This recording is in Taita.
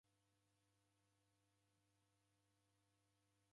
Wakio ni irina jha kiw'aka.